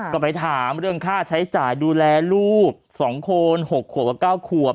ก็ไปถามเรื่องค่าใช้จ่ายดูแลลูก๒คน๖ขวบกับ๙ขวบ